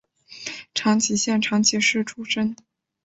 长崎县长崎市出身。